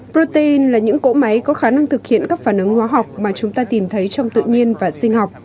protein là những cỗ máy có khả năng thực hiện các phản ứng hóa học mà chúng ta tìm thấy trong tự nhiên và sinh học